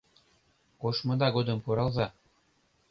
Кошмыда годым пуралза.